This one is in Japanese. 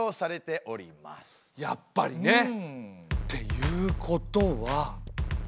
やっぱりね。っていうことは。